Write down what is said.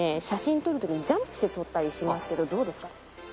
写真撮る時にジャンプして撮ったりしますけどどうですか？